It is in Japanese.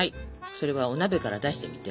それはお鍋から出してみて。